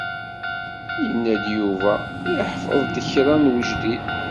Yenna-d Yuba iḥfeḍ-d kra n wejdid.